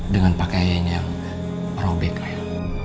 dengan pakaian yang robek air